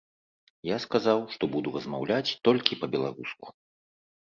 Я сказаў, што буду размаўляць толькі па-беларуску.